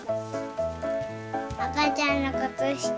あかちゃんのくつした。